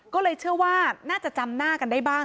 ก็เลยเชื่อว่าน่าจะจำหน้ากันได้บ้าง